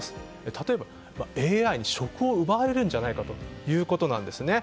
例えば、ＡＩに職を奪われるんじゃないかということなんです。